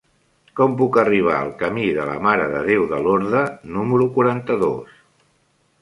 Com puc arribar al camí de la Mare de Déu de Lorda número quaranta-dos?